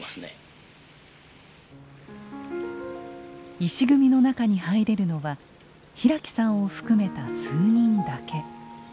石組みの中に入れるのは平木さんを含めた数人だけ。